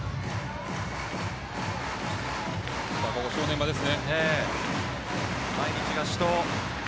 ここが正念場です。